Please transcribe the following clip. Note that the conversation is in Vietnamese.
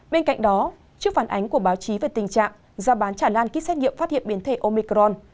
bên cạnh đó trước phản ánh của báo chí về tình trạng ra bán trả nạn ký xét nghiệm phát hiện biến thể omicron